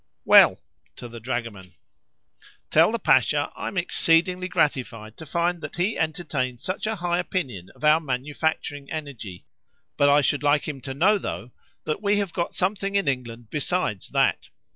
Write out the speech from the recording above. Well (to the dragoman), tell the Pasha I am exceedingly gratified to find that he entertains such a high opinion of our manufacturing energy, but I should like him to know, though, that we have got something in England besides that.